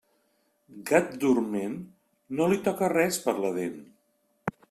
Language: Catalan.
Gat dorment, no li toca res per la dent.